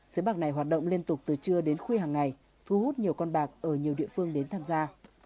xi bạc này hoạt động liên tục từ trưa đến khuya hàng ngày thu hút nhiều con bạc ở nhiều địa phương đến tham gia